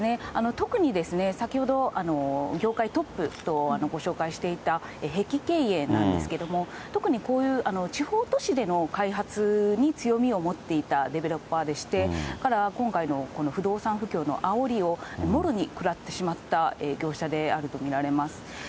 特に先ほど業界トップとご紹介していた碧桂園なんですけれども、特にこういう地方都市での開発に強みを持っていたデベロッパーでして、今回の不動産不況のあおりをもろに食らってしまった業者であると見られます。